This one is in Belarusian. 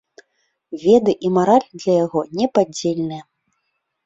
Веды і мараль для яго непадзельныя.